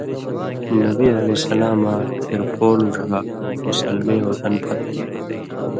نبی علیہ السلاماں ڇھیرپولو ڙھا ابو سلمے وَطن پھت کیریۡ؛